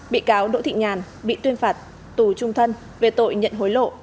bị cáo đỗ thị nhàn bị tuyên phạt tù trung thân về tội nhận hối lộ